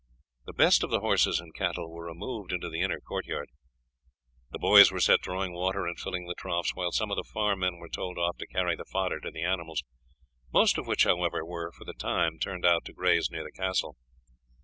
The best of the horses and cattle were removed into the inner court yard. The boys were set drawing water and filling the troughs, while some of the farm men were told off to carry the fodder to the animals, most of which, however, were for the time turned out to graze near the castle.